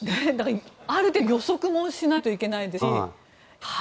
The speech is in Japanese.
ある程度予測もしないといけないですし。